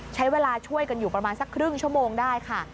ใช้เวลาช่วยกันอยู่ประมาณสักครึ่งชั่วโมงได้ค่ะ